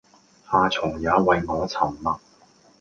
夏蟲也為我沉默